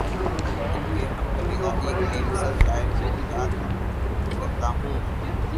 تو ان کے ہم قبیلہ ایک بے مثل شاعرکو یا دکرتا ہوں۔